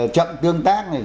chậm tương tác